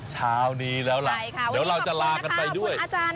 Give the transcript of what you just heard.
เช้านี้แล้วล่ะเดี๋ยวเราจะลากันไปด้วย